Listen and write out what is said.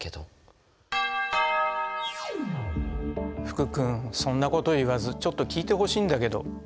福君そんなこと言わずちょっと聞いてほしいんだけど。